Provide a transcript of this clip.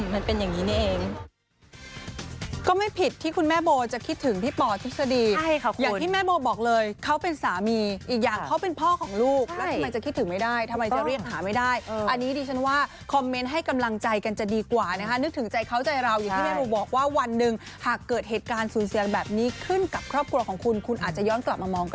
มันเป็นอย่างนี้นี่เอง